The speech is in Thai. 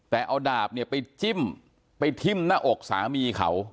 แต่เอาดาบเนี่ยไปจิ้มไปทิ้มหน้าอกสามีเขา